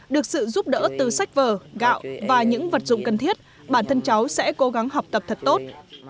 được sự giúp đỡ từ sách vở gạo và những vật dụng cần thiết bản thân cháu sẽ cố gắng học tập thật tốt